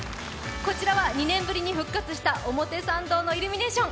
こちらは２年ぶりに復活した表参道のイルミネーション。